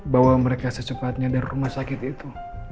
bawa mereka secepatnya dari rumah sakit itu